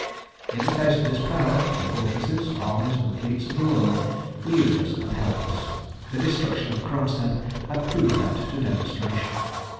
In the face of this power, the fortresses, armies, and fleets of the world were useless and helpless. The destruction of Kronstadt had proved that to demonstration.